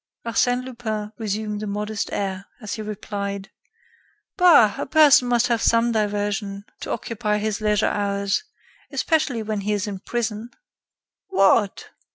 Arsène Lupin assumed a modest air, as he replied: "Bah! a person must have some diversion to occupy his leisure hours, especially when he is in prison." "What!"